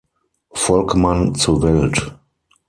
Volkmann, zur Welt.